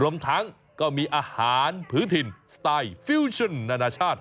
รวมทั้งก็มีอาหารพื้นถิ่นสไตล์ฟิวชั่นนานาชาติ